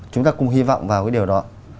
chúng ta cũng hy vọng vào cái điều đó